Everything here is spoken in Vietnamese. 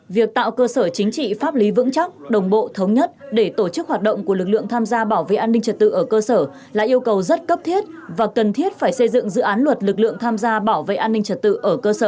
việc tạo cơ sở chính trị pháp lý vững chắc đồng bộ thống nhất để tổ chức hoạt động của lực lượng tham gia bảo vệ an ninh trật tự ở cơ sở là yêu cầu rất cấp thiết và cần thiết phải xây dựng dự án luật lực lượng tham gia bảo vệ an ninh trật tự ở cơ sở